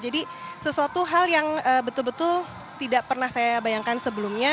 jadi sesuatu hal yang betul betul tidak pernah saya bayangkan sebelumnya